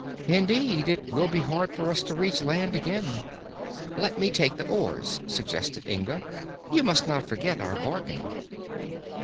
Indeed, it will be hard for us to reach land again." "Let me take the oars," suggested Inga. "You must not forget our bargain."